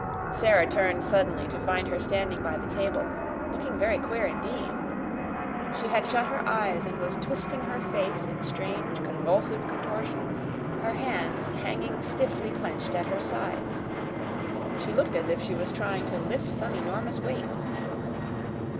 Sara turned suddenly to find her standing by the table, looking very queer indeed. She had shut her eyes, and was twisting her face in strange convulsive contortions, her hands hanging stiffly clenched at her sides. She looked as if she was trying to lift some enormous weight.